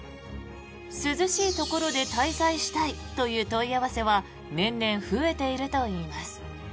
涼しいところで滞在したいという問い合わせは年々増えているといいます。